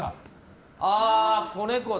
ああ、子猫だ！